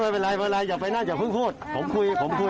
ไม่เป็นไรอย่าไปหน้าอย่าเพิ่งพูดผมคุยผมคุย